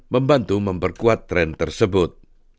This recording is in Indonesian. membantu memberkuat tren tersebut